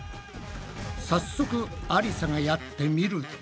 早速ありさがやってみると。